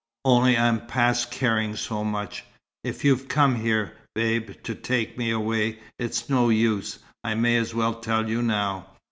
Only I'm past caring so much. If you've come here, Babe, to take me away, it's no use. I may as well tell you now.